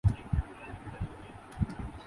اورجان بچانے کی خاطر بیان دیاگیا۔